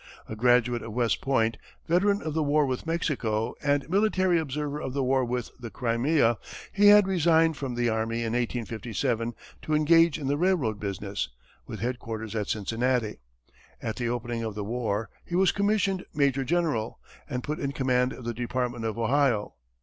A graduate of West Point, veteran of the war with Mexico, and military observer of the war in the Crimea, he had resigned from the army in 1857 to engage in the railroad business, with headquarters at Cincinnati. At the opening of the war, he was commissioned major general, and put in command of the Department of Ohio.